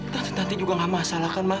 tante tante juga gak masalah kan ma